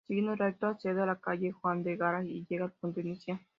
Siguiendo recto accede a la Calle Juan de Garay y llega al punto inicial.